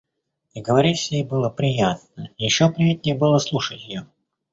И говорить с ней было приятно, еще приятнее было слушать ее.